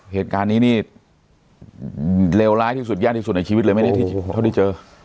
เหตุการณ์นี้นี่เลวร้ายที่สุดยากที่สุดในชีวิตเลยไหมเนี่ยเท่าที่เจอ